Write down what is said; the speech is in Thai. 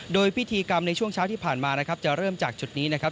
โดยพิธีกรรมในช่วงเช้าที่ผ่านมานะครับจะเริ่มจากจุดนี้นะครับ